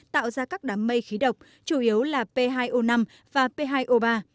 tạo ra các đám mây khí độc chủ yếu là p hai o năm và p hai o ba